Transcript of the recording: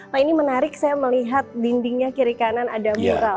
pak ini menarik saya melihat dindingnya kiri kanan ada mural